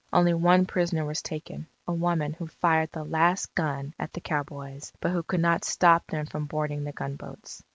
Only one prisoner was taken, a woman who fired the last gun at the cowboys, but who could not stop them from boarding the gunboats.